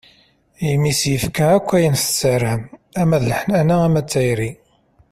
Imi i s-yefka akk ayen i tessaram ama d leḥnana, ama d tayri.